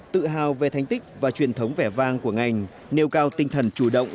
tự hào về thành tích và truyền thống vẻ vang của ngành nêu cao tinh thần chủ động